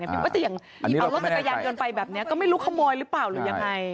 อย่างอีกล้อนเอารถกระยังเดินไปแบบนี้ก็ไม่รู้ขโมยรึเปล่าหรือยังไง